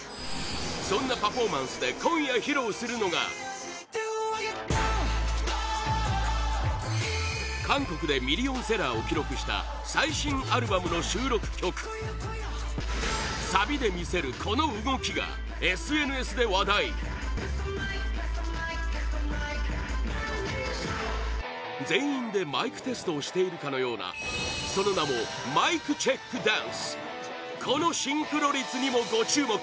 そんなパフォーマンスで今夜、披露するのが韓国でミリオンセラーを記録した最新アルバムの収録曲サビで見せるこの動きがＳＮＳで話題全員でマイクテストをしているかのようなその名もマイクチェックダンスこのシンクロ率にも、ご注目